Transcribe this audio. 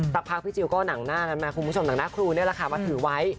สักพักพี่จิลก็หนังหน้านั้นมาคุณผู้ชมหนังหน้าครูนี่แหละค่ะมาถือไว้